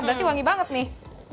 berarti wangi banget nih